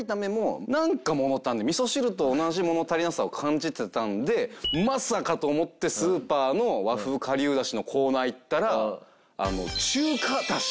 味噌汁と同じ物足りなさを感じてたのでまさかと思ってスーパーの和風顆粒だしのコーナー行ったら中華だし。